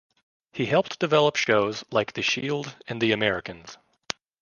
He helped develop shows like "The Shield" and "The Americans".